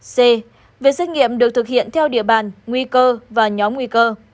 c việc xét nghiệm được thực hiện theo địa bàn nguy cơ và nhóm nguy cơ